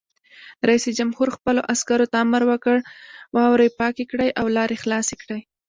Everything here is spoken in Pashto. رئیس جمهور خپلو عسکرو ته امر وکړ؛ واورې پاکې کړئ او لارې خلاصې کړئ!